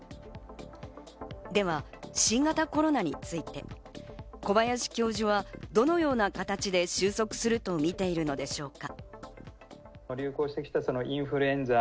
では新型コロナについて、小林教授はどのような形で収束するとみているのでしょうか？